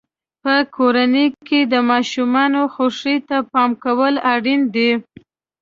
په کورنۍ کې د ماشومانو خوښۍ ته پام کول اړین دي.